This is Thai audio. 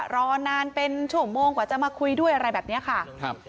รอนานเป็นชั่วโมงกว่าจะมาคุยด้วยอะไรแบบนี้ค่ะครับ